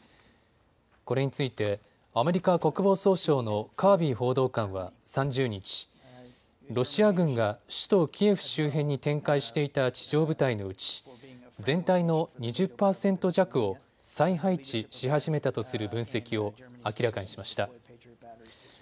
これについてアメリカ国防総省のカービー報道官は３０日、ロシア軍が首都キエフ周辺に展開していた地上部隊のうち全体の２０％弱を再配置し始めたとする分析を明らかにしました。